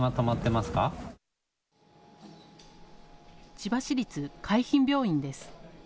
千葉市立海浜病院です。